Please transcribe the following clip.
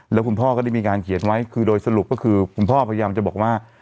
แล้วคุณพ่อก็ได้มีการเขียนไว้คือโดยสรุปก็คือคุณพ่อพยายามจะบอกว่า